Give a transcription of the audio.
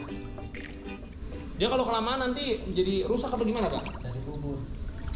jangan kalau kelamaan nanti jadi rusak atau gimana